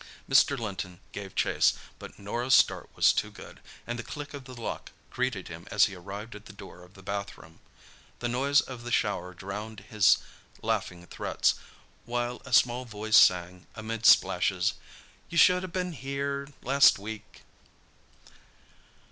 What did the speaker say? Mr. Linton gave chase, but Norah's start was too good, and the click of the lock greeted him as he arrived at the door of the bathroom. The noise of the shower drowned his laughing threats, while a small voice sang, amid splashes, "You should have been here last week!"